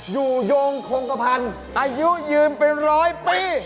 อยู่ยงฮงธภัณธ์อายุยืนเป็นร้อยปี